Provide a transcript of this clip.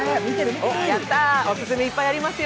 オススメいっぱいありますよ。